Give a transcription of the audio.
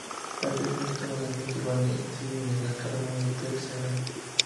La película estuvo en el Festival de Cine de Locarno, la "Piazza Grande".